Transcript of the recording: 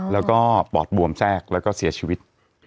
แล้วก็ปอดบวมแทรกแล้วก็เสียชีวิต